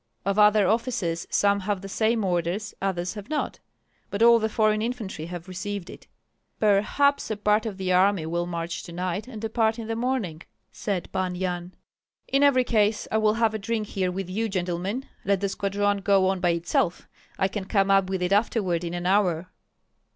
Of other officers some have the same order, others have not. But all the foreign infantry have received it." "Perhaps a part of the army will march to night and a part in the morning," said Pan Yan. "In every case I will have a drink here with you, gentlemen. Let the squadron go on by itself; I can come up with it afterward in an hour."